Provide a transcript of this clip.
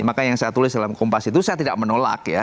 maka yang saya tulis dalam kompas itu saya tidak menolak ya